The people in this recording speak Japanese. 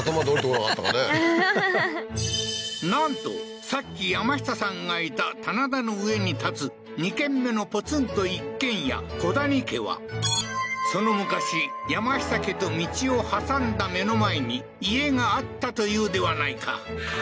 ははははっなんとさっき山下さんがいた棚田の上に建つ２軒目のポツンと一軒家古谷家はその昔山下家と道を挟んだ目の前に家があったというではないか